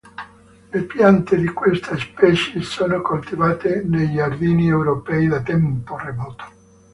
Le piante di questa specie sono coltivate nei giardini europei da tempo remoto.